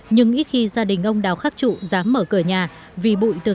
nhưng ít khi gia đình ông đào khắc trụ dám mở cửa nhà vì bụi từ